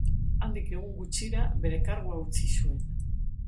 Handik egun gutxira bere kargua utzi zuen.